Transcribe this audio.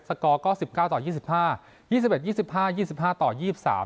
กอร์ก็สิบเก้าต่อยี่สิบห้ายี่สิบเอ็ดยี่สิบห้ายี่สิบห้าต่อยี่สาม